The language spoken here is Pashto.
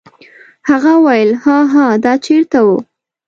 هغه وویل: هاها دا چیرته و؟